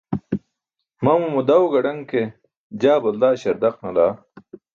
Mamamo daw gaḍaṅ ke, jaa balda śardaq nalaa.